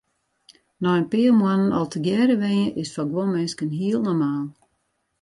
Nei in pear moannen al tegearre wenje is foar guon minsken hiel normaal.